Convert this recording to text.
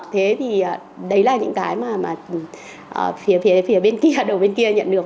thế thì đấy là những cái mà phía đầu bên kia nhận được